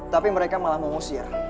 tapi mereka malah mau ngusir